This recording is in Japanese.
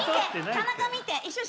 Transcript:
田中見て。